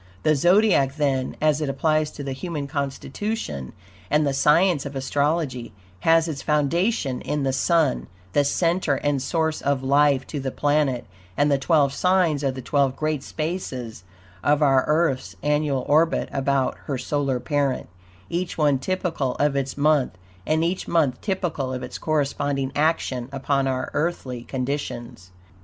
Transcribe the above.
The Zodiac, then, as it applies to the human constitution and the science of astrology, has its foundation in the Sun, the center and source of life to the planet; and the twelve signs are the twelve great spaces of our Earth's annual orbit about her solar parent, each one typical of its month, and each month typical of its corresponding action upon our Earthy conditions.